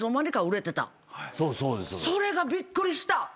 それがびっくりした！